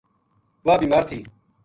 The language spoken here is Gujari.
واہ بیمار تھی۔